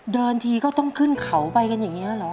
เดินทีก็ต้องขึ้นเขาไปกันอย่างนี้เหรอ